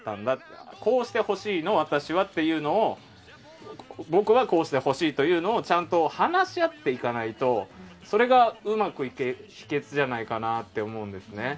私はこうしてほしいとか僕はこうしてほしいというのをちゃんと話し合っていかないとそれが、うまくいく秘訣じゃないかなって思うんですね。